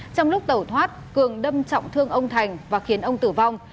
trong lúc tẩu thoát cường đâm trọng thương ông thành và khiến ông tử vong